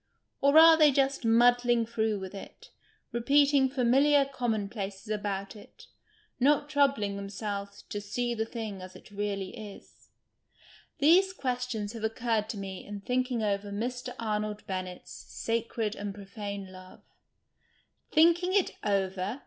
Or are they just " muddling through " with it, repeating familiar commonplaces about it, not troubling themselves " to see the thing as it really is "? These questions 160 THEATRICAL AMORISM have occurred to me in thinking over Mr. Arnold Bennett's Sacred and Profane Love. Thinking' it over